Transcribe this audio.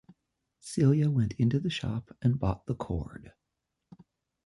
Celia went into the shop, and bought the cord.